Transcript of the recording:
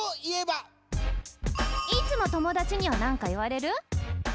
いつも友だちにはなんか言われる？